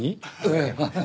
ええ。